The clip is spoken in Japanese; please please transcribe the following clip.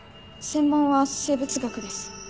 専門は生物学です。